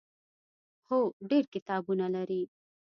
هو، ډیر کتابونه لري